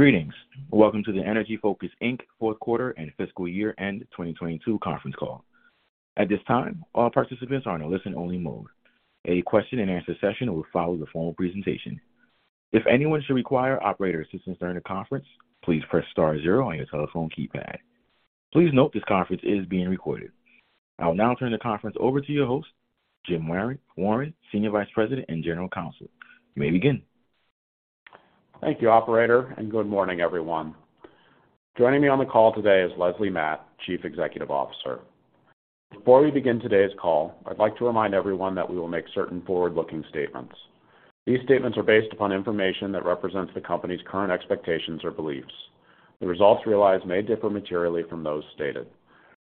Greetings. Welcome to the Energy Focus, Inc fourth quarter and fiscal year end 2022 conference call. At this time, all participants are in a listen-only mode. A question and answer session will follow the formal presentation. If anyone should require operator assistance during the conference, please press star zero on your telephone keypad. Please note this conference is being recorded. I will now turn the conference over to your host, Jim Warren, Senior Vice President and General Counsel. You may begin. Thank you, operator. Good morning, everyone. Joining me on the call today is Lesley Matt, Chief Executive Officer. Before we begin today's call, I'd like to remind everyone that we will make certain forward-looking statements. These statements are based upon information that represents the company's current expectations or beliefs. The results realized may differ materially from those stated.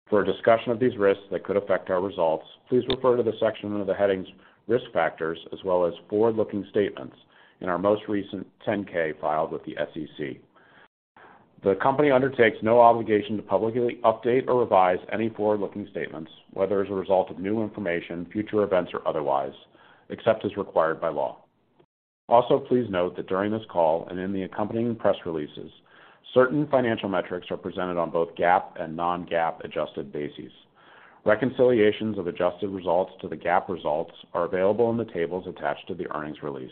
For a discussion of these risks that could affect our results, please refer to the section under the headings risk factors as well as forward-looking statements in our most recent 10-K filed with the SEC. The company undertakes no obligation to publicly update or revise any forward-looking statements, whether as a result of new information, future events, or otherwise, except as required by law. Also, please note that during this call and in the accompanying press releases, certain financial metrics are presented on both GAAP and non-GAAP adjusted bases. Reconciliations of adjusted results to the GAAP results are available in the tables attached to the earnings release,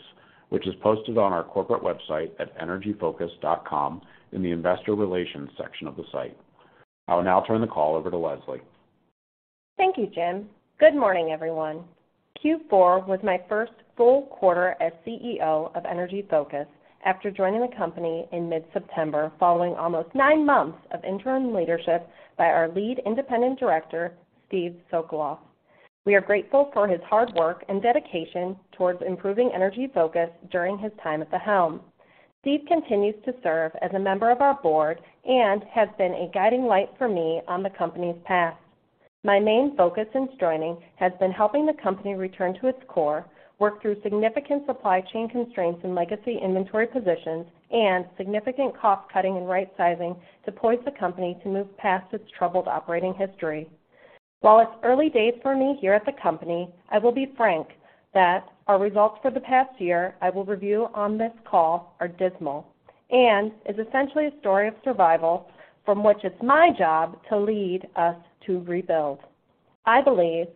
which is posted on our corporate website at energyfocus.com in the Investor Relations section of the site. I will now turn the call over to Lesley. Thank you, Jim. Good morning, everyone. Q4 was my first full quarter as CEO of Energy Focus after joining the company in mid-September, following almost nine months of interim leadership by our Lead Independent Director, Steve Socolof. We are grateful for his hard work and dedication towards improving Energy Focus during his time at the helm. Steve continues to serve as a Member of our Board and has been a guiding light for me on the company's path. My main focus since joining has been helping the company return to its core, work through significant supply chain constraints and legacy inventory positions, and significant cost-cutting and right-sizing to poise the company to move past its troubled operating history. While it's early days for me here at the company, I will be frank that our results for the past year I will review on this call are dismal and is essentially a story of survival from which it's my job to lead us to rebuild. I believe,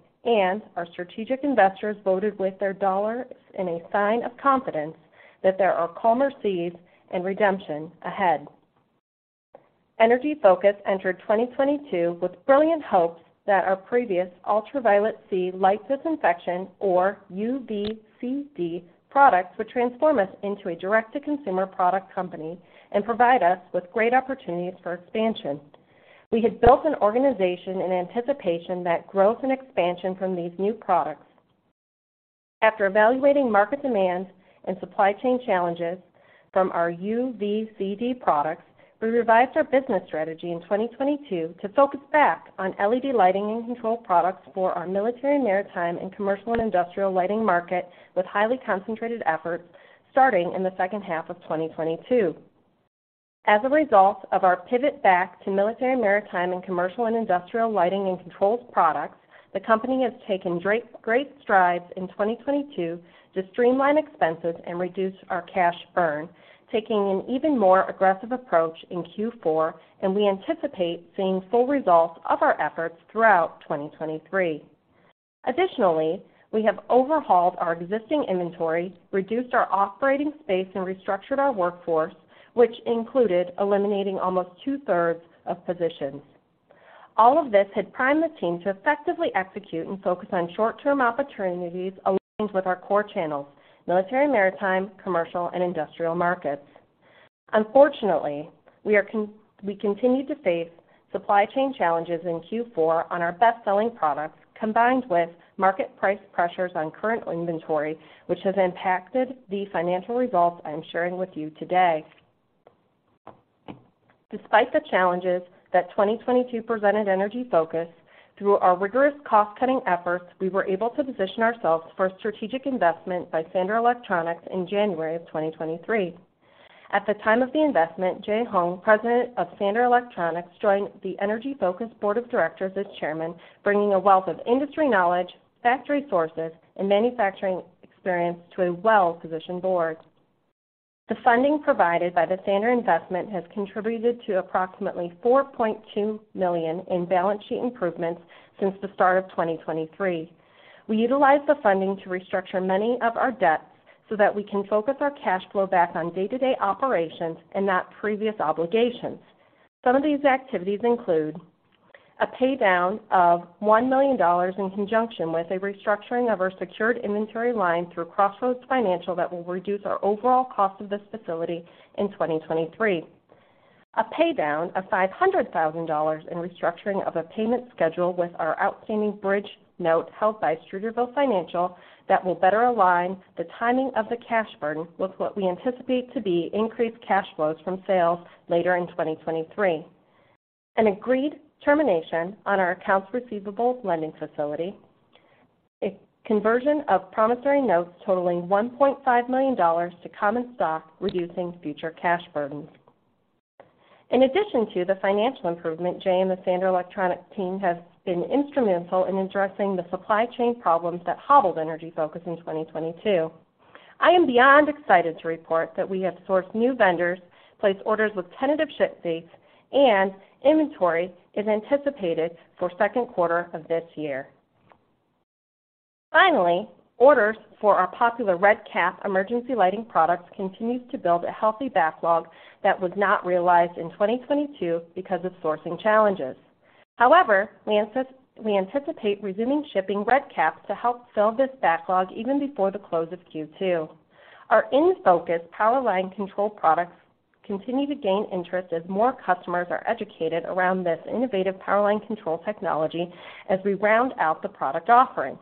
our strategic investors voted with their dollars in a sign of confidence, that there are calmer seas and redemption ahead. Energy Focus entered 2022 with brilliant hopes that our previous ultraviolet-C light disinfection or UVCD products would transform us into a direct-to-consumer product company and provide us with great opportunities for expansion. We had built an organization in anticipation that growth and expansion from these new products. After evaluating market demand and supply chain challenges from our UVCD products, we revised our business strategy in 2022 to focus back on LED lighting and control products for our military and maritime and commercial and industrial lighting market with highly concentrated efforts starting in the second half of 2022. As a result of our pivot back to military and maritime and commercial and industrial lighting and controls products, the company has taken great strides in 2022 to streamline expenses and reduce our cash burn, taking an even more aggressive approach in Q4. We anticipate seeing full results of our efforts throughout 2023. Additionally, we have overhauled our existing inventory, reduced our operating space, and restructured our workforce, which included eliminating almost 2/3 of positions. All of this had primed the team to effectively execute and focus on short-term opportunities aligned with our core channels, military and maritime, commercial, and industrial markets. Unfortunately, we continued to face supply chain challenges in Q4 on our best-selling products, combined with market price pressures on current inventory, which has impacted the financial results I'm sharing with you today. Despite the challenges that 2022 presented Energy Focus, through our rigorous cost-cutting efforts, we were able to position ourselves for a strategic investment by Sander Electronics in January of 2023. At the time of the investment, Jay Huang, President of Sander Electronics, joined the Energy Focus Board of Directors as Chairman, bringing a wealth of industry knowledge, factory sources, and manufacturing experience to a well-positioned board. The funding provided by the Sander investment has contributed to approximately $4.2 million in balance sheet improvements since the start of 2023. We utilized the funding to restructure many of our debts so that we can focus our cash flow back on day-to-day operations and not previous obligations. Some of these activities include a paydown of $1 million in conjunction with a restructuring of our secured inventory line through Crossroads Financial that will reduce our overall cost of this facility in 2023. A paydown of $500,000 in restructuring of a payment schedule with our outstanding bridge note held by Streeterville Financial that will better align the timing of the cash burden with what we anticipate to be increased cash flows from sales later in 2023. An agreed termination on our accounts receivable lending facility. A conversion of promissory notes totaling $1.5 million to common stock, reducing future cash burdens. In addition to the financial improvement, Jay and the Sander Electronics team have been instrumental in addressing the supply chain problems that hobbled Energy Focus in 2022. I am beyond excited to report that we have sourced new vendors, placed orders with tentative ship dates, and inventory is anticipated for second quarter of this year. Orders for our popular RedCap emergency lighting products continues to build a healthy backlog that was not realized in 2022 because of sourcing challenges. We anticipate resuming shipping RedCaps to help fill this backlog even before the close of Q2. Our EnFocus power line control products continue to gain interest as more customers are educated around this innovative power line control technology as we round out the product offering.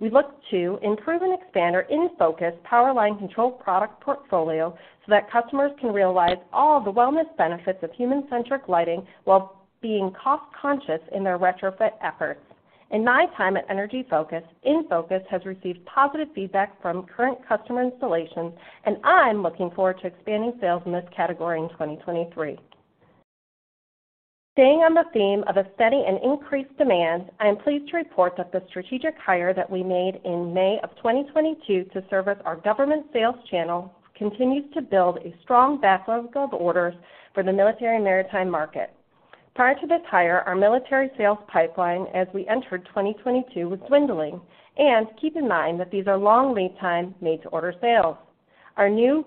We look to improve and expand our EnFocus power line control product portfolio so that customers can realize all the wellness benefits of human-centric lighting while being cost-conscious in their retrofit efforts. In my time at Energy Focus, EnFocus has received positive feedback from current customer installations. I'm looking forward to expanding sales in this category in 2023. Staying on the theme of a steady and increased demand, I am pleased to report that the strategic hire that we made in May of 2022 to service our government sales channel continues to build a strong backlog of orders for the military and maritime market. Prior to this hire, our military sales pipeline as we entered 2022 was dwindling. Keep in mind that these are long lead time made to order sales. Our new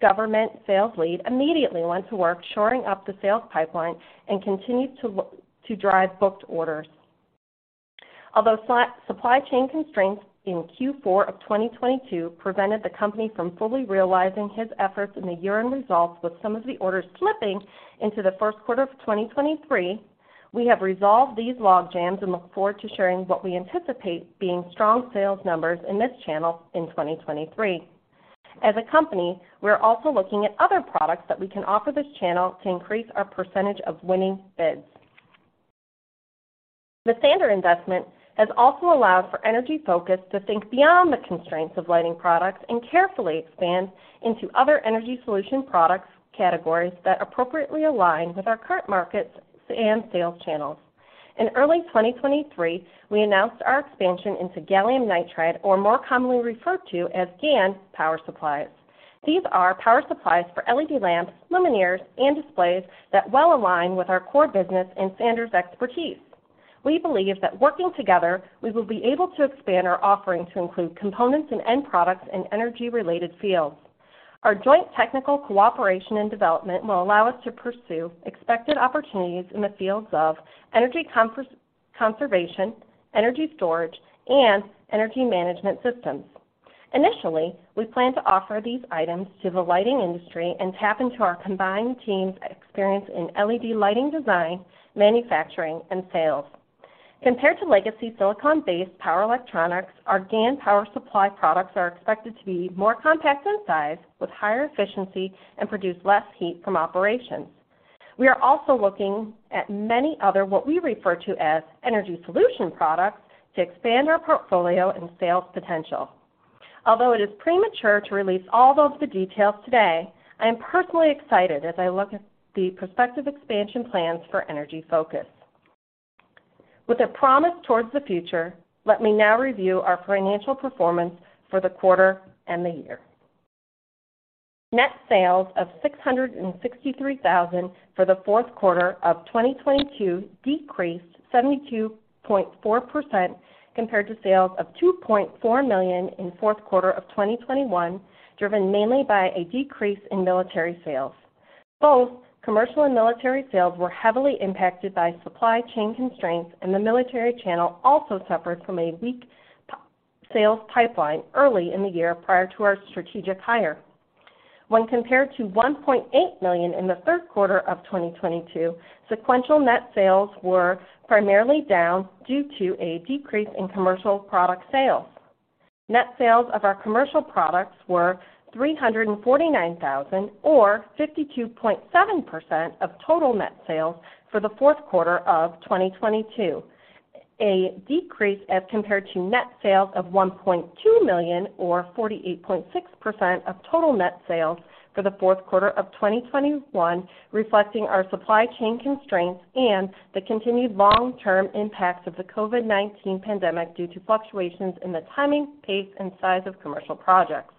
government sales lead immediately went to work shoring up the sales pipeline and continued to drive booked orders. Although supply chain constraints in Q4 of 2022 prevented the company from fully realizing his efforts in the year-end results with some of the orders slipping into the first quarter of 2023, we have resolved these logjams and look forward to sharing what we anticipate being strong sales numbers in this channel in 2023. As a company, we're also looking at other products that we can offer this channel to increase our percentage of winning bids. The Sander investment has also allowed for Energy Focus to think beyond the constraints of lighting products and carefully expand into other energy solution products categories that appropriately align with our current markets and sales channels. In early 2023, we announced our expansion into gallium nitride, or more commonly referred to as GaN, power supplies. These are power supplies for LED lamps, luminaires, and displays that well align with our core business and Sander's expertise. We believe that working together, we will be able to expand our offerings to include components and end products in energy-related fields. Our joint technical cooperation and development will allow us to pursue expected opportunities in the fields of energy conservation, energy storage, and energy management systems. Initially, we plan to offer these items to the lighting industry and tap into our combined team's experience in LED lighting design, manufacturing, and sales. Compared to legacy silicon-based power electronics, our GaN power supply products are expected to be more compact in size with higher efficiency and produce less heat from operations. We are also looking at many other what we refer to as energy solution products to expand our portfolio and sales potential. Although it is premature to release all of the details today, I am personally excited as I look at the prospective expansion plans for Energy Focus. With a promise towards the future, let me now review our financial performance for the quarter and the year. Net sales of $663,000 for the fourth quarter of 2022 decreased 72.4% compared to sales of $2.4 million in fourth quarter of 2021, driven mainly by a decrease in military sales. Both commercial and military sales were heavily impacted by supply chain constraints, and the military channel also suffered from a weak sales pipeline early in the year prior to our strategic hire. When compared to $1.8 million in the third quarter of 2022, sequential net sales were primarily down due to a decrease in commercial product sales. Net sales of our commercial products were $349,000 or 52.7% of total net sales for the fourth quarter of 2022. A decrease as compared to net sales of $1.2 million or 48.6% of total net sales for the fourth quarter of 2021, reflecting our supply chain constraints and the continued long-term impacts of the COVID-19 pandemic due to fluctuations in the timing, pace, and size of commercial projects.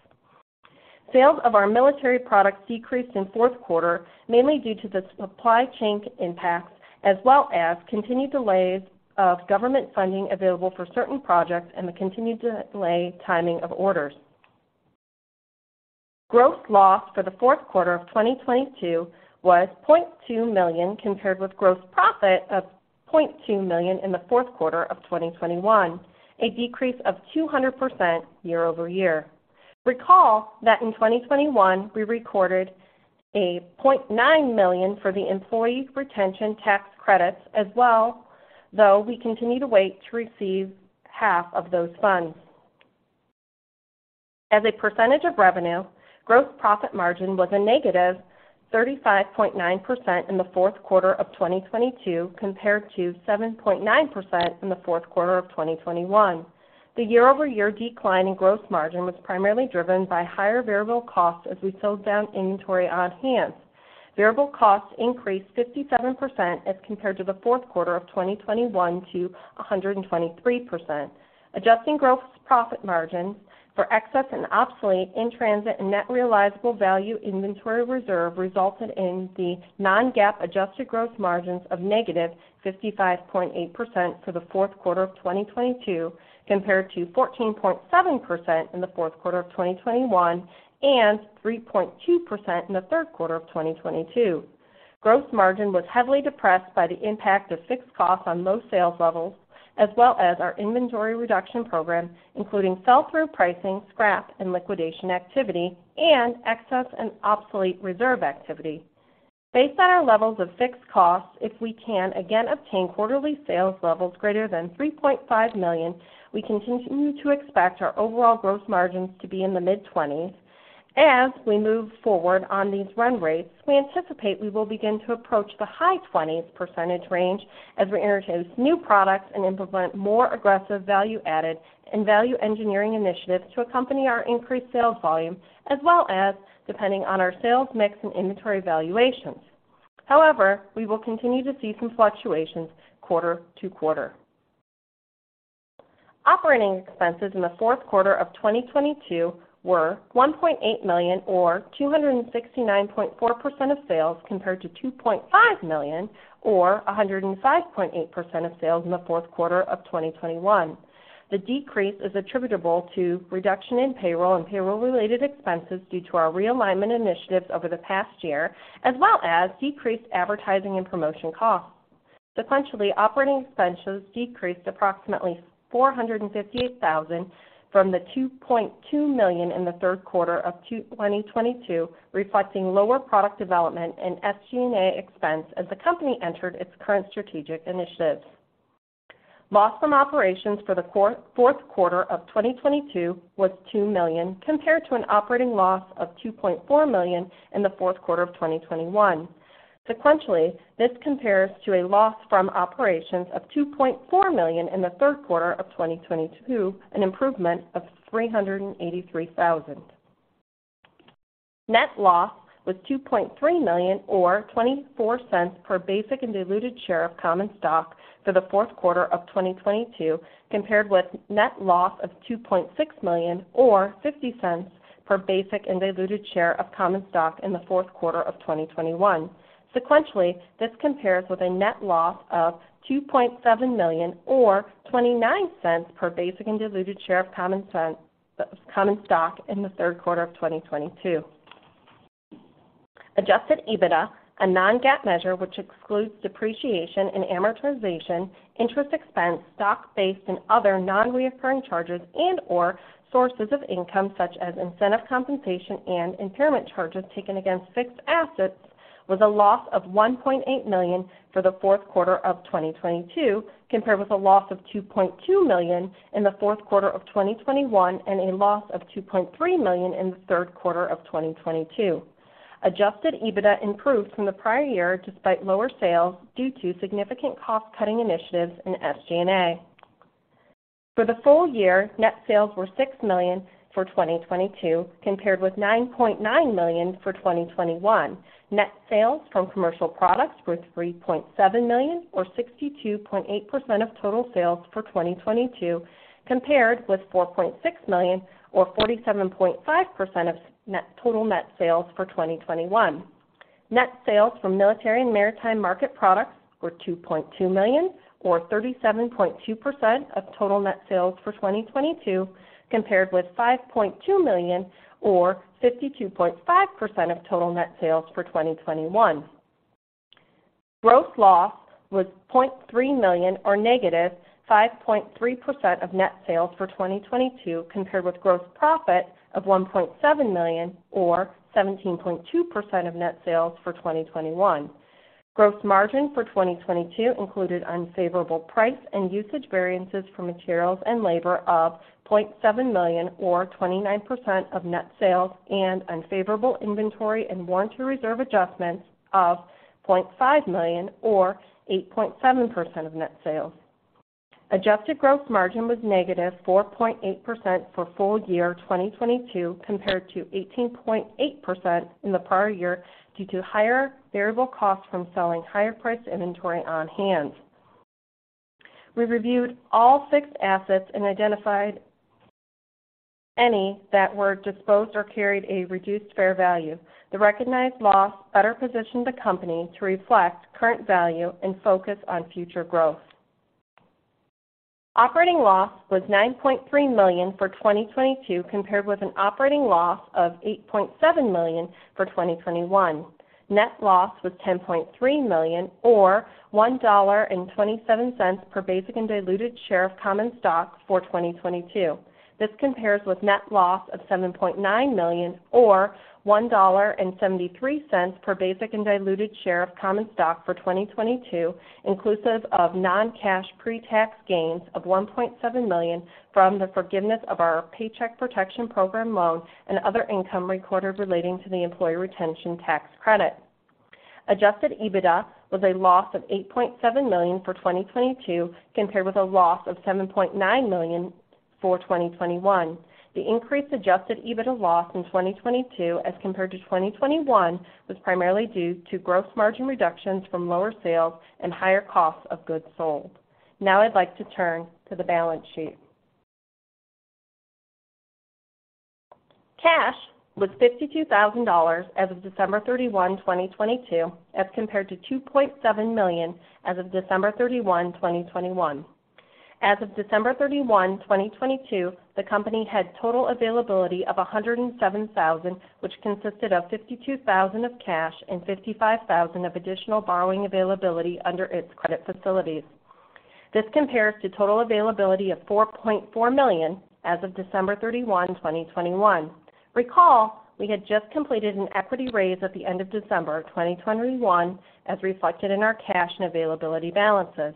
Sales of our military products decreased in fourth quarter, mainly due to the supply chain impacts, as well as continued delays of government funding available for certain projects and the continued delay timing of orders. Gross loss for the fourth quarter of 2022 was $0.2 million, compared with gross profit of $0.2 million in the fourth quarter of 2021, a decrease of 200% year-over-year. Recall that in 2021, we recorded a $0.9 million for the Employee Retention Tax Credits as well, though we continue to wait to receive half of those funds. As a percentage of revenue, gross profit margin was a negative 35.9% in the fourth quarter of 2022 compared to 7.9% in the fourth quarter of 2021. The year-over-year decline in gross margin was primarily driven by higher variable costs as we sold down inventory on hand. Variable costs increased 57% as compared to the fourth quarter of 2021 to 123%. Adjusting gross profit margin for excess and obsolete in-transit and net realizable value inventory reserve resulted in the non-GAAP adjusted gross margins of -55.8% for the fourth quarter of 2022 compared to 14.7% in the fourth quarter of 2021, and 3.2% in the third quarter of 2022. Gross margin was heavily depressed by the impact of fixed costs on low sales levels, as well as our inventory reduction program, including sell-through pricing, scrap, and liquidation activity, and excess and obsolete reserve activity. Based on our levels of fixed costs, if we can again obtain quarterly sales levels greater than $3.5 million, we continue to expect our overall gross margins to be in the mid-20s. As we move forward on these run rates, we anticipate we will begin to approach the high 20s percentage range as we introduce new products and implement more aggressive value-added and value engineering initiatives to accompany our increased sales volume, as well as depending on our sales mix and inventory valuations. However, we will continue to see some fluctuations quarter-to-quarter. Operating expenses in the fourth quarter of 2022 were $1.8 million or 269.4% of sales, compared to $2.5 million or 105.8% of sales in the fourth quarter of 2021. The decrease is attributable to reduction in payroll and payroll-related expenses due to our realignment initiatives over the past year, as well as decreased advertising and promotion costs. Sequentially, operating expenses decreased approximately $458,000 from the $2.2 million in the third quarter of 2022, reflecting lower product development and SG&A expense as the company entered its current strategic initiatives. Loss from operations for the fourth quarter of 2022 was $2 million compared to an operating loss of $2.4 million in the fourth quarter of 2021. Sequentially, this compares to a loss from operations of $2.4 million in the third quarter of 2022, an improvement of $383,000. Net loss was $2.3 million or $0.24 per basic and diluted share of common stock for the fourth quarter of 2022, compared with net loss of $2.6 million or $0.50 per basic and diluted share of common stock in the fourth quarter of 2021. Sequentially, this compares with a net loss of $2.7 million or $0.29 per basic and diluted share of common stock in the third quarter of 2022. Adjusted EBITDA, a non-GAAP measure which excludes depreciation and amortization, interest expense, stock-based and other non-recurring charges, and/or sources of income such as incentive compensation and impairment charges taken against fixed assets, was a loss of $1.8 million for the fourth quarter of 2022, compared with a loss of $2.2 million in the fourth quarter of 2021 and a loss of $2.3 million in the third quarter of 2022. Adjusted EBITDA improved from the prior year despite lower sales due to significant cost-cutting initiatives in SG&A. For the full year, net sales were $6 million for 2022 compared with $9.9 million for 2021. Net sales from commercial products were $3.7 million or 62.8% of total sales for 2022, compared with $4.6 million or 47.5% of total net sales for 2021. Net sales from military and maritime market products were $2.2 million or 37.2% of total net sales for 2022, compared with $5.2 million or 52.5% of total net sales for 2021. Gross loss was $0.3 million or negative 5.3% of net sales for 2022, compared with gross profit of $1.7 million or 17.2% of net sales for 2021. Gross margin for 2022 included unfavorable price and usage variances for materials and labor of $0.7 million or 29% of net sales, unfavorable inventory and warranty reserve adjustments of $0.5 million or 8.7% of net sales. Adjusted gross margin was -4.8% for full year 2022 compared to 18.8% in the prior year due to higher variable costs from selling higher priced inventory on hand. We reviewed all fixed assets and identified any that were disposed or carried a reduced fair value. The recognized loss better positioned the company to reflect current value and focus on future growth. Operating loss was $9.3 million for 2022 compared with an operating loss of $8.7 million for 2021. Net loss was $10.3 million or $1.27 per basic and diluted share of common stock for 2022. This compares with net loss of $7.9 million or $1.73 per basic and diluted share of common stock for 2022, inclusive of non-cash pre-tax gains of $1.7 million from the forgiveness of our Paycheck Protection Program loan and other income recorded relating to the Employee Retention Tax Credit. Adjusted EBITDA was a loss of $8.7 million for 2022 compared with a loss of $7.9 million for 2021. The increased adjusted EBITDA loss in 2022 as compared to 2021 was primarily due to gross margin reductions from lower sales and higher costs of goods sold. Now I'd like to turn to the balance sheet. Cash was $52,000 as of December 31, 2022, as compared to $2.7 million as of December 31, 2021. As of December 31, 2022, the company had total availability of $107,000, which consisted of $52,000 of cash and $55,000 of additional borrowing availability under its credit facilities. This compares to total availability of $4.4 million as of December 31, 2021. Recall, we had just completed an equity raise at the end of December 2021, as reflected in our cash and availability balances.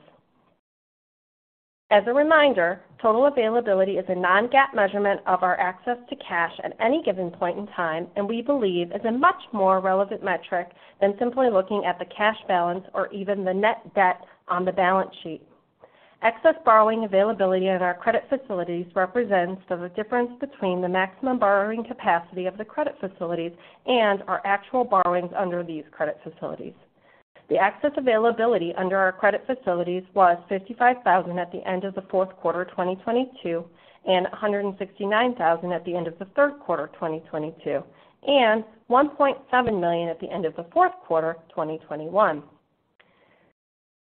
As a reminder, total availability is a non-GAAP measurement of our access to cash at any given point in time, and we believe is a much more relevant metric than simply looking at the cash balance or even the net debt on the balance sheet. Excess borrowing availability at our credit facilities represents the difference between the maximum borrowing capacity of the credit facilities and our actual borrowings under these credit facilities. The access availability under our credit facilities was $55,000 at the end of the fourth quarter 2022, and $169,000 at the end of the third quarter 2022, and $1.7 million at the end of the fourth quarter 2021.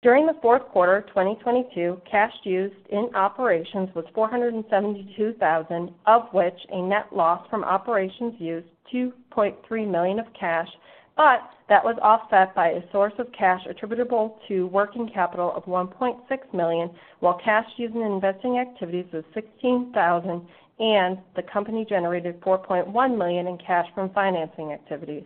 During the fourth quarter 2022, cash used in operations was $472,000, of which a net loss from operations used $2.3 million of cash, but that was offset by a source of cash attributable to working capital of $1.6 million, while cash used in investing activities was $16,000, and the company generated $4.1 million in cash from financing activities.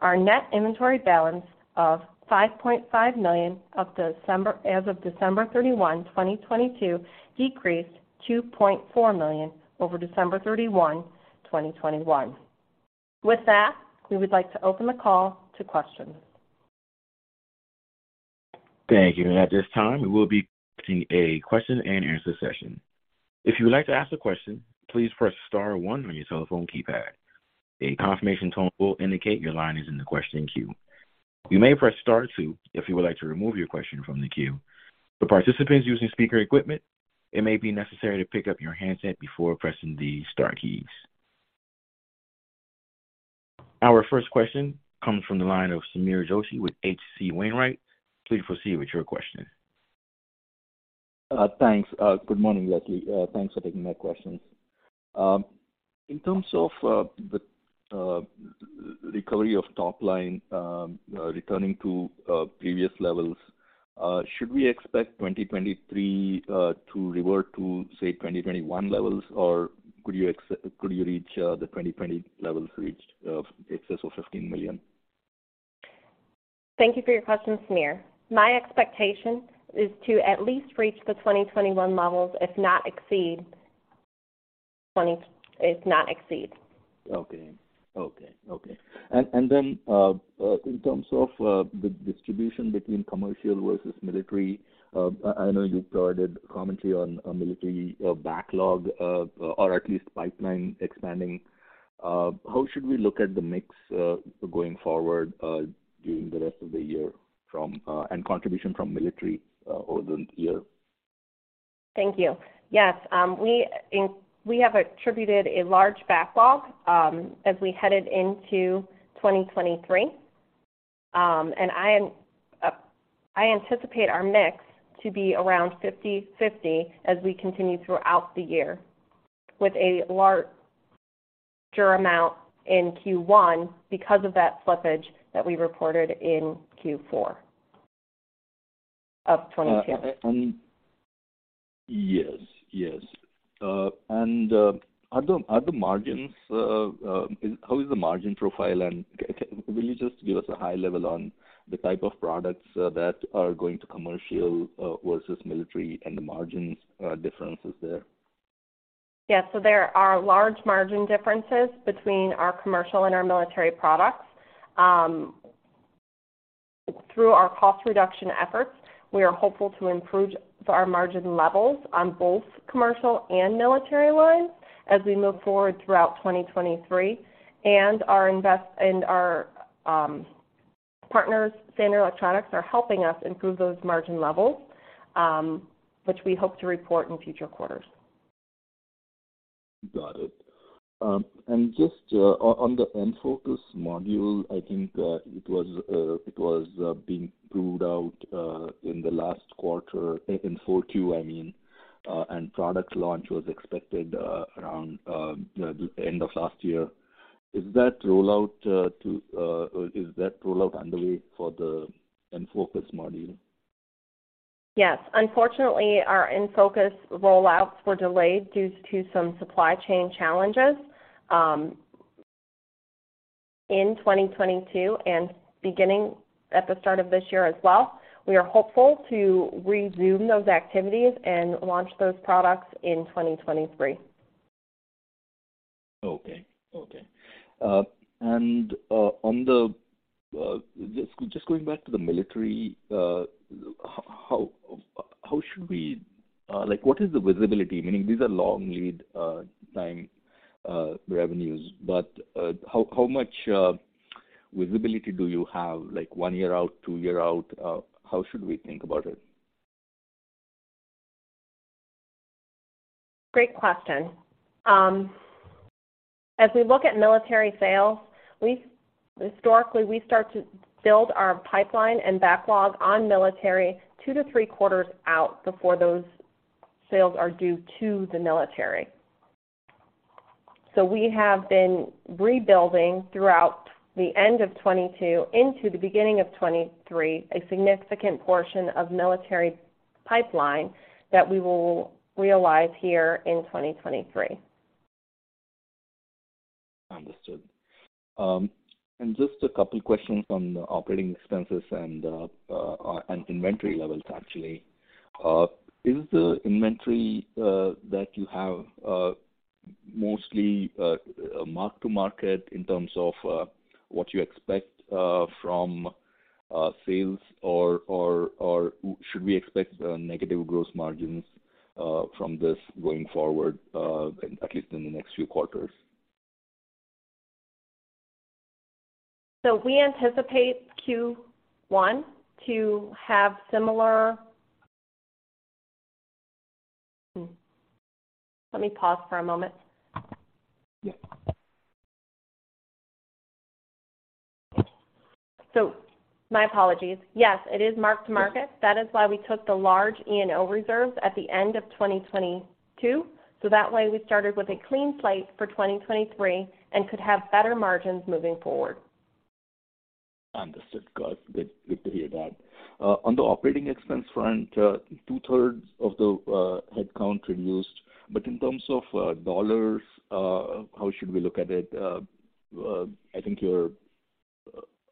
Our net inventory balance of $5.5 million as of December 31, 2022, decreased $2.4 million over December 31, 2021. We would like to open the call to questions. Thank you. At this time, we will be a question and answer session. If you would like to ask a question, please press star one on your telephone keypad. A confirmation tone will indicate your line is in the question queue. You may press star two if you would like to remove your question from the queue. For participants using speaker equipment, it may be necessary to pick up your handset before pressing the star keys. Our first question comes from the line of Sameer Joshi with H.C. Wainwright. Please proceed with your question. Thanks. Good morning, Lesley. Thanks for taking my questions. In terms of the recovery of top line, returning to previous levels, should we expect 2023 to revert to, say, 2021 levels? Could you reach the 2020 levels reached in excess of $15 million? Thank you for your question, Sameer. My expectation is to at least reach the 2021 levels, if not exceed. Okay. Okay. Okay. Then, in terms of the distribution between commercial versus military, I know you've provided commentary on military backlog or at least pipeline expanding. How should we look at the mix going forward during the rest of the year from and contribution from military over the year? Thank you. Yes. We have attributed a large backlog, as we headed into 2023. I am, I anticipate our mix to be around 50/50 as we continue throughout the year, with a larger amount in Q1 because of that slippage that we reported in Q4 of 2022. Yes. Yes. Are the, are the margins, how is the margin profile? Will you just give us a high level on the type of products that are going to commercial versus military and the margins differences there? Yes. There are large margin differences between our commercial and our military products. Through our cost reduction efforts, we are hopeful to improve our margin levels on both commercial and military lines as we move forward throughout 2023. Our partners, Sander Electronics, are helping us improve those margin levels, which we hope to report in future quarters. Got it. Just on the EnFocus module, I think it was being rolled out in the last quarter, in 4Q, I mean, product launch was expected around the end of last year. Is that rollout underway for the EnFocus module? Yes. Unfortunately, our EnFocus rollouts were delayed due to some supply chain challenges, in 2022 and beginning at the start of this year as well. We are hopeful to resume those activities and launch those products in 2023. Okay. Okay. On the just going back to the military, like, what is the visibility? Meaning these are long lead time revenues, but how much visibility do you have, like one year out, two year out? How should we think about it? Great question. As we look at military sales, historically, we start to build our pipeline and backlog on military two-three quarters out before those sales are due to the military. We have been rebuilding throughout the end of 2022 into the beginning of 2023, a significant portion of military pipeline that we will realize here in 2023. Understood. Just a couple of questions on the operating expenses and inventory levels actually. Is the inventory that you have mostly mark-to-market in terms of what you expect from sales or, or should we expect negative gross margins from this going forward at least in the next few quarters? We anticipate Q1 to have similar. Let me pause for a moment. Yeah. My apologies. Yes, it is mark-to-market. That is why we took the large E&O reserves at the end of 2022. That way, we started with a clean slate for 2023 and could have better margins moving forward. Understood. Got it. Good to hear that. on the operating expense front, two-thirds of the headcount reduced, but in terms of dollars, how should we look at it? I think your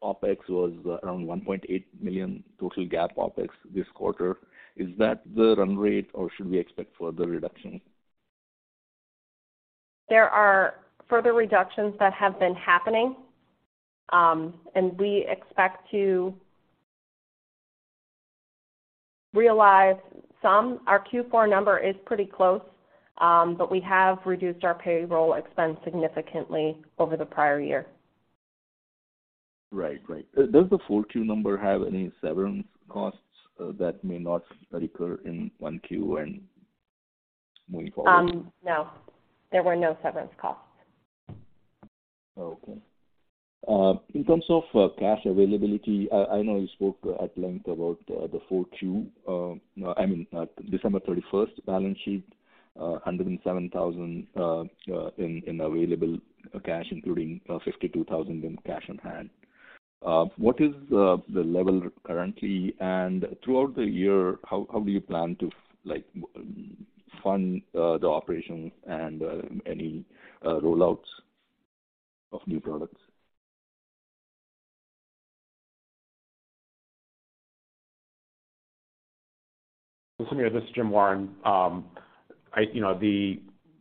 OpEx was around $1.8 million total GAAP OpEx this quarter. Is that the run rate, or should we expect further reduction? There are further reductions that have been happening, and we expect to realize some. Our Q4 number is pretty close, but we have reduced our payroll expense significantly over the prior year. Right. Right. Does the full Q number have any severance costs, that may not recur in 1Q when moving forward? No. There were no severance costs. Okay. In terms of cash availability, I know you spoke at length about the full Q, I mean, December 31st balance sheet, $107,000 in available cash, including $52,000 in cash on hand. What is the level currently? Throughout the year, how do you plan to, like, fund the operations and any roll-outs of new products? Sameer, this is Jim Warren. You know,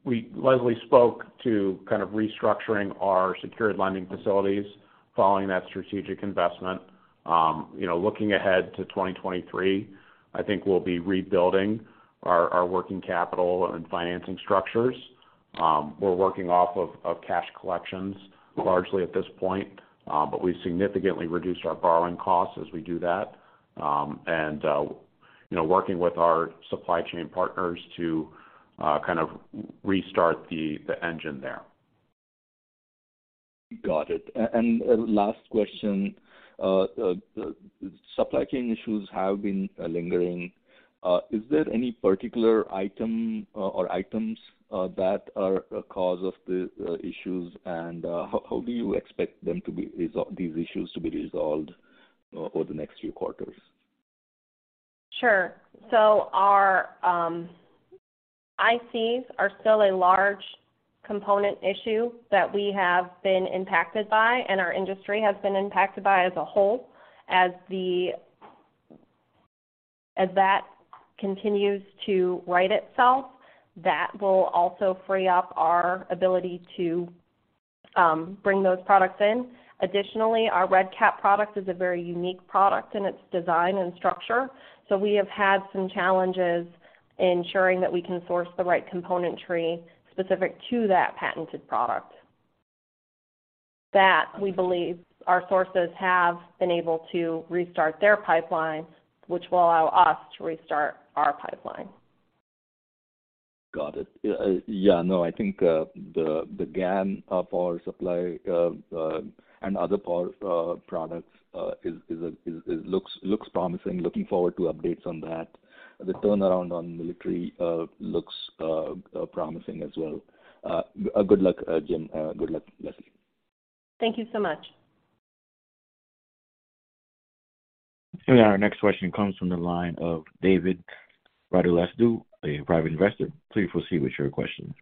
Lesley spoke to kind of restructuring our secured lending facilities following that strategic investment. You know, looking ahead to 2023, I think we'll be rebuilding our working capital and financing structures. We're working off of cash collections largely at this point, but we significantly reduced our borrowing costs as we do that, and, you know, working with our supply chain partners to kind of restart the engine there. Got it. Last question. Supply chain issues have been lingering. Is there any particular item or items that are a cause of the issues, and how do you expect them to be these issues to be resolved over the next few quarters? Sure. Our ICs are still a large component issue that we have been impacted by, and our industry has been impacted by as a whole. As that continues to right itself, that will also free up our ability to bring those products in. Additionally, our RedCap product is a very unique product in its design and structure. We have had some challenges ensuring that we can source the right componentry specific to that patented product. That, we believe our sources have been able to restart their pipeline, which will allow us to restart our pipeline. Got it. Yeah, no, I think, the GaN power supply and other products looks promising. Looking forward to updates on that. The turnaround on military looks promising as well. Good luck, Jim. Good luck, Lesley. Thank you so much. Our next question comes from the line of David Radulescu, a private investor. Please proceed with your question.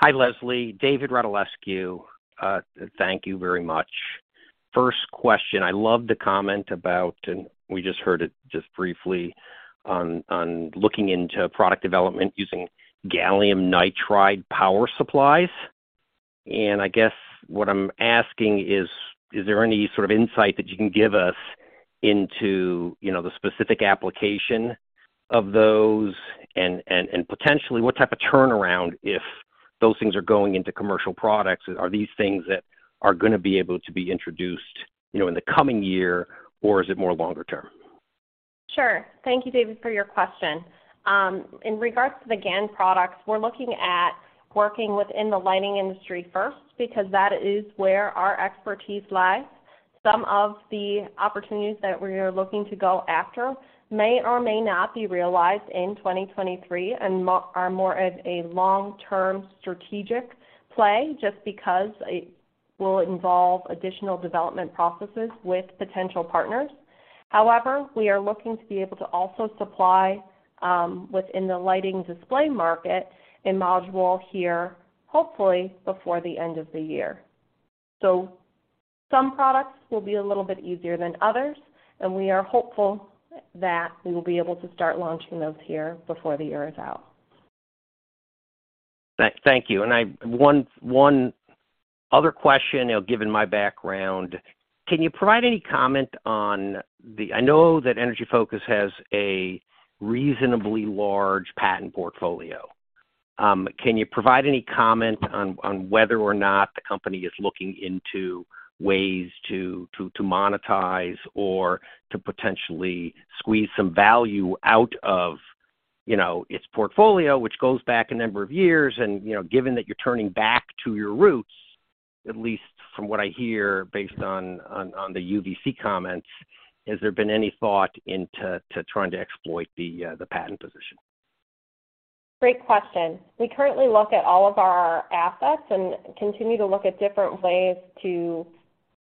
Hi, Lesley. David Radulescu. Thank you very much. First question, I loved the comment about, and we just heard it just briefly on looking into product development using gallium nitride power supplies. I guess what I'm asking is there any sort of insight that you can give us into, you know, the specific application of those and, and potentially what type of turnaround, if those things are going into commercial products, are these things that are gonna be able to be introduced, you know, in the coming year, or is it more longer term? Sure. Thank you, David, for your question. In regards to the GaN products, we're looking at working within the lighting industry first because that is where our expertise lies. Some of the opportunities that we are looking to go after may or may not be realized in 2023 and are more of a long-term strategic play just because it will involve additional development processes with potential partners. We are looking to be able to also supply within the lighting display market a module here, hopefully before the end of the year. Some products will be a little bit easier than others, and we are hopeful that we will be able to start launching those here before the year is out. Thank you. One other question, you know, given my background. I know that Energy Focus has a reasonably large patent portfolio. Can you provide any comment on whether or not the company is looking into ways to monetize or to potentially squeeze some value out of, you know, its portfolio, which goes back a number of years and, you know, given that you're turning back to your roots, at least from what I hear based on the UVC comments, has there been any thought into trying to exploit the patent position? Great question. We currently look at all of our assets and continue to look at different ways to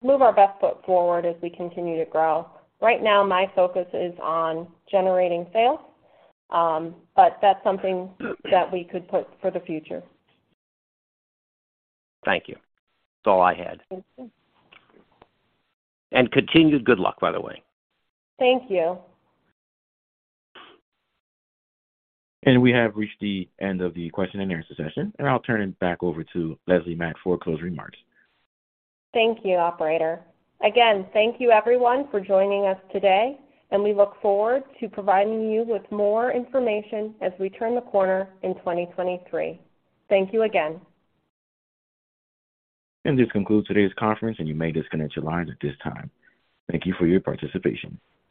move our best foot forward as we continue to grow. Right now, my focus is on generating sale, but that's something that we could put for the future. Thank you. That's all I had. Thank you. Continued good luck, by the way. Thank you. We have reached the end of the question and answer session, and I'll turn it back over to Lesley Matt for closing remarks. Thank you, operator. Again, thank you everyone for joining us today. We look forward to providing you with more information as we turn the corner in 2023. Thank you again. This concludes today's conference, and you may disconnect your lines at this time. Thank you for your participation.